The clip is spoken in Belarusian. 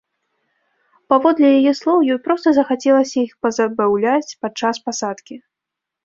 Паводле яе слоў, ёй проста захацелася іх пазабаўляць падчас пасадкі.